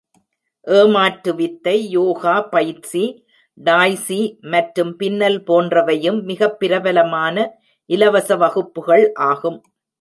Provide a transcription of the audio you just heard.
ஏமாற்று வித்தை, யோகா பயிற்சி, டாய் சீ மற்றும் பின்னல் போன்றவையும் மிகப் பிரபலமான இலவச வகுப்புகள் ஆகும்.